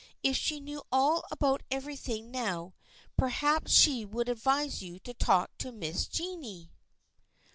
If she knew all about everything now perhaps she would advise you to talk to Miss Jennie."